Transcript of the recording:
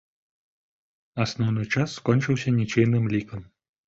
Асноўны час скончыўся нічыйным лікам.